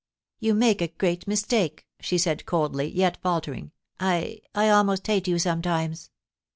' You make a great mistake,' she said coldly, yet faltering. * I — I almost hate you sometimes.'